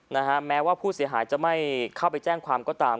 นะฮะแม้ว่าผู้เสียหายจะไม่เข้าไปแจ้งความก็ตาม